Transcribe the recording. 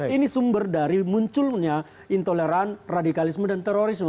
ini sumber dari munculnya intoleran radikalisme dan terorisme